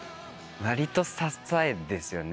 割と支えですよね。